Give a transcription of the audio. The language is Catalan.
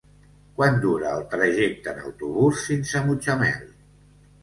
Quant dura el trajecte en autobús fins a Mutxamel?